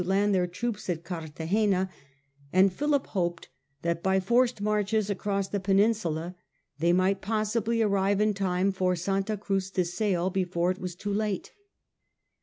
11 land their troops at Cartagena, and Philip hoped that by forced marches across the peninsula they might possibly arrive in time for Santa Cruz to sail before it was too late.